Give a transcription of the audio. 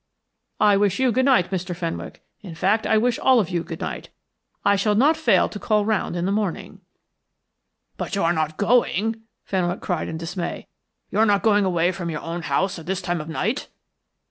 I wish you good night, Mr. Fenwick. In fact, I wish all of you good night. I shall not fail to call round in the morning " "But you are not going," Fenwick cried in dismay. "You are not going away from your own house at this time of night?"